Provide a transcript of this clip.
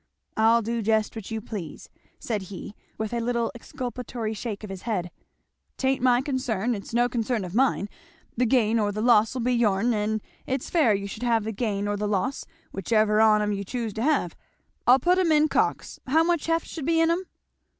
"I'll do just what you please," said he with a little exculpatory shake of his head; "'tain't my concern it's no concern of mine the gain or the loss'll be your'n, and it's fair you should have the gain or the loss, which ever on 'em you choose to have. I'll put it in cocks how much heft should be in 'em?"